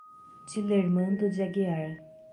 Dilermando de Aguiar